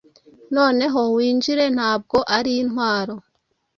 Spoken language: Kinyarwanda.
Noneho winjire ntabwo ari intwaro,